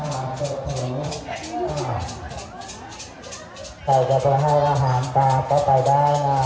ใครจะเดี๋ยวยาให้อาหารต่างก็ไปได้นะ